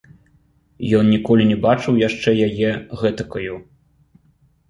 Ён ніколі не бачыў яшчэ яе гэтакаю.